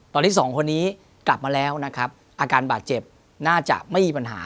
ตอนนี้สองคนนี้กลับมาแล้วนะครับอาการบาดเจ็บน่าจะไม่มีปัญหา